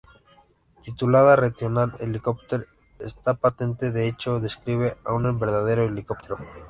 Titulada ""Rational Helicopter"" esta patente de hecho describe a un verdadero helicóptero.